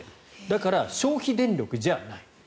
だから、消費電力じゃない。